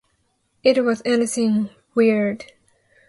It wasn't anything weird.